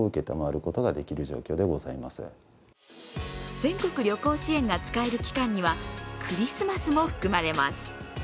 全国旅行支援が使える期間にはクリスマスも含まれます。